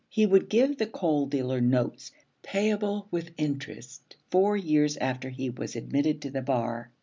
He would give the coal dealer notes, payable with interest four years after he was admitted to the bar.